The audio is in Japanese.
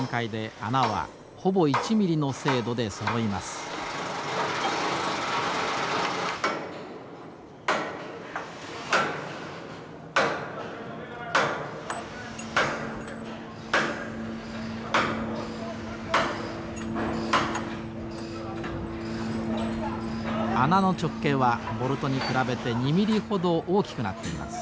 穴の直径はボルトに比べて２ミリほど大きくなっています。